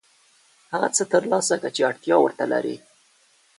هغه څه ترلاسه کړه چې اړتیا ورته لرې.